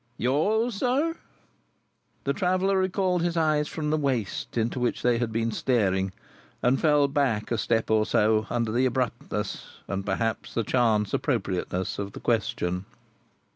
"—Yours, sir?" The traveller recalled his eyes from the waste into which they had been staring, and fell back a step or so under the abruptness, and perhaps the chance appropriateness, of the question.